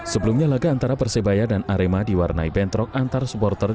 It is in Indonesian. sebelumnya laga antara persebaya dan arema diwarnai bentrok antar supporter